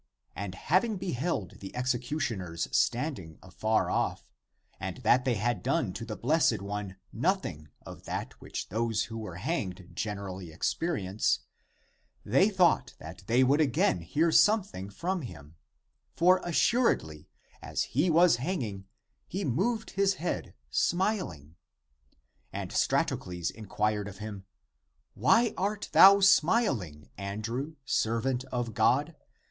And having beheld the executioners standing afar off, and that they had done to the blessed one nothing of that which those who were hanged generally experience, they thought that they would again hear something from him; for as suredly, as he was hanging, he moved his head smil ing. And Stratocles inquired of him, " Why art thou smiling, Andrew, servant of God?